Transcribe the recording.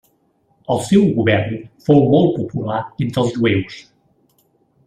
El seu govern fou molt popular entre els jueus.